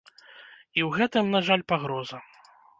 І ў гэтым, на жаль, пагроза.